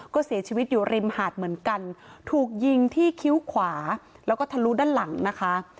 ก็เสียชีวิตอยู่ริมหาดเหมือนกันถูกยิงที่คิ้วขวาแล้วก็ทะลุด้านหลังนะคะ